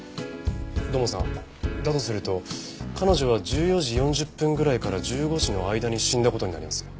土門さんだとすると彼女は１４時４０分ぐらいから１５時の間に死んだ事になります。